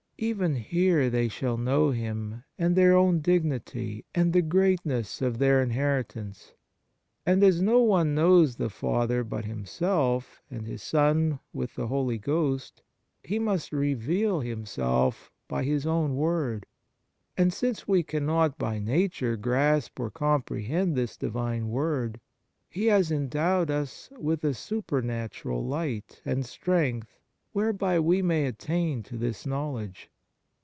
Even here they shall know Him, and their own dignity and the greatness of their inheritance. And as no one knows the Father but Himself, and His Son with the Holy Ghost, He must reveal Himself by His own Word ; and since we cannot by nature grasp or comprehend this Divine Word, He has endowed us with a super natural light and strength whereby we may attain to this knowledge.